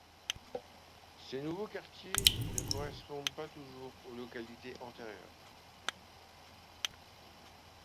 Ces nouveaux quartiers ne correspondent pas toujours aux localités antérieurs.